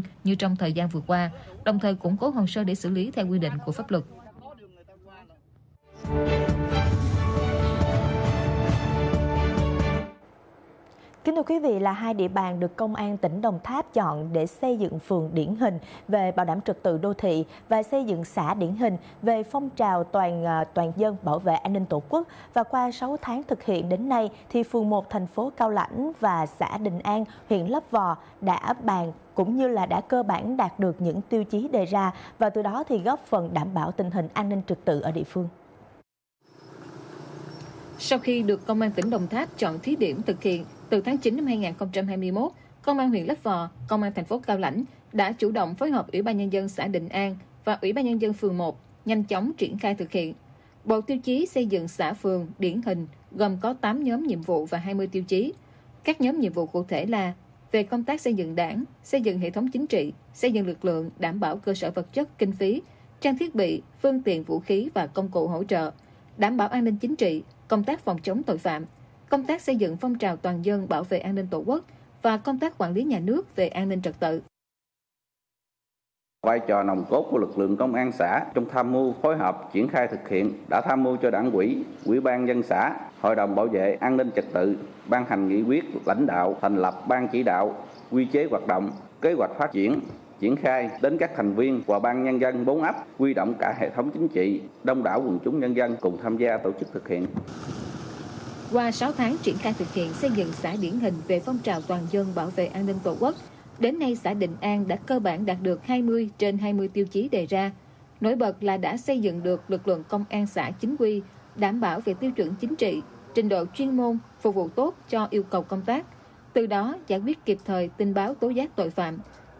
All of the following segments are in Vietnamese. trong khi chuyển một trăm ba mươi sáu triệu đồng người phụ nữ nhận được điện thoại yêu cầu chuyển lần với tổng số tiền nhiều lần với tổng số tiền nhiều lần với tổng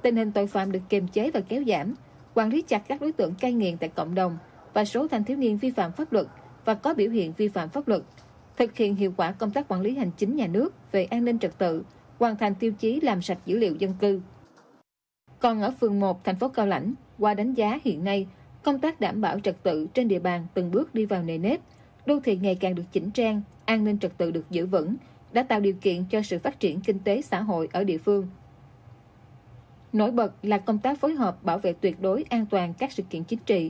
tiền nhiều số tiền nhiều lần với tổng số tiền nhiều lần với tổng số tiền nhiều lần với tổng số tiền nhiều lần với tổng số tiền nhiều lần với tổng số tiền nhiều lần với tổng số tiền nhiều lần với tổng số tiền nhiều lần với tổng số tiền nhiều lần với tổng số tiền nhiều lần với tổng số tiền nhiều lần với tổng số tiền nhiều lần với tổng số tiền nhiều lần với tổng số tiền nhiều lần với tổng số tiền nhiều lần với tổng số tiền nhiều lần với tổng số tiền